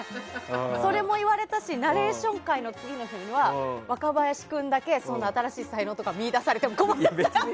それも言われたしナレーション回の次の日には若林君だけ新しい才能とか見出されても困るって。